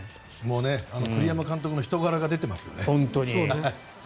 栗山監督の人柄が出てますね。